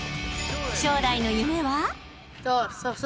［将来の夢は？］